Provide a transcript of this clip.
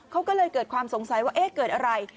เขาก็เลยเกิดความสงสัยว่าเอ๊ะเกิดอะไร